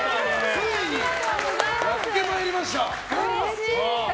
ついにやってまいりました。